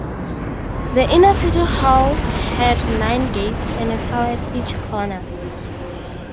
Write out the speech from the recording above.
The Inner city wall had nine gates and a tower at each corner.